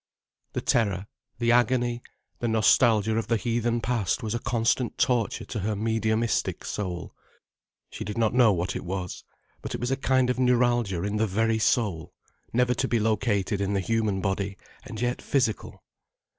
The terror, the agony, the nostalgia of the heathen past was a constant torture to her mediumistic soul. She did not know what it was. But it was a kind of neuralgia in the very soul, never to be located in the human body, and yet physical.